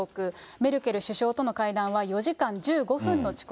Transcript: メルケル首相との会談は４時間１５分の遅刻。